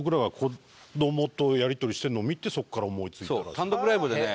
そう単独ライブでね